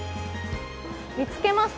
見つけました！